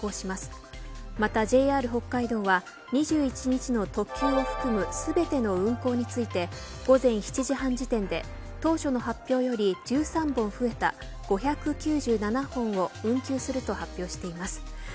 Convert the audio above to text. またＪＲ北海道は２１日の特急を含む全ての運航について午前７時半時点で当初の発表より１３本増えた５９７本を運休すると発表しています。